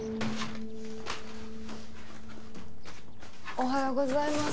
おはようございます。